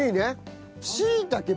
しいたけ